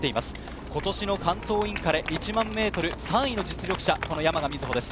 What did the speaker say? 今年の関東インカレ１００００ｍ３位の実力者、山賀瑞穂です。